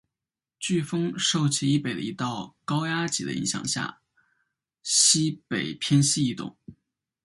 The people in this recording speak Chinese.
飓风受其以北的一道高压脊的影响下向西北偏西移动。